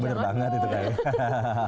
bener banget itu kayaknya